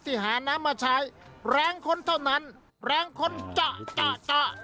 ที่หาน้ำมาใช้แรงคนเท่านั้นแรงคนเจาะเจาะเจาะ